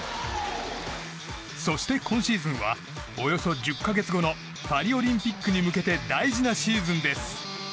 そして今シーズンはおよそ１０か月後のパリオリンピックに向けて大事なシーズンです。